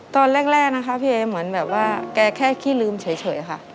ตอนแรกนะคะพี่เอเหมือนแบบว่าแกแค่ขี้ลืมเฉยค่ะ